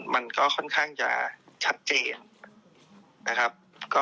มันก็ค่อนข้างจะชัดเจนนะครับ